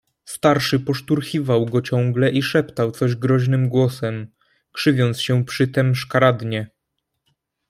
"Starszy poszturchiwał go ciągle i szeptał coś groźnym głosem, krzywiąc się przytem szkaradnie."